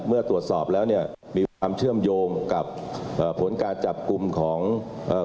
เมื่อตรวจสอบแล้วเนี่ยมีความเชื่อมโยงกับเอ่อผลการจับกลุ่มของเอ่อ